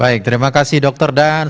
baik terima kasih dokter dan